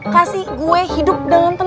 ya udah tungguin